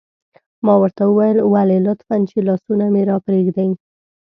ما ورته وویل: ولې؟ لطفاً، چې لاسونه مې را پرېږدي.